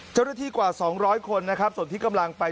เจ้าหน้าที่กว่า๒๐๐คนส่วนที่กำลังไป